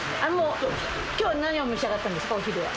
今日は何を召し上がったんですかお昼は。